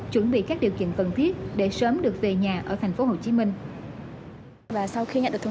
chuẩn bị các điều kiện cần thiết để sớm được về nhà ở thành phố hồ chí minh